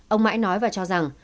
ông mãi nói và cho rằng